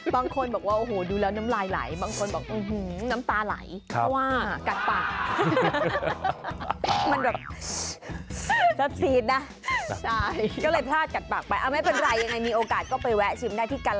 บางคนบอกว่าโอ้โหดูแล้วน้ำลายไหลบางคนบอกอื้อหือน้ำตาไหล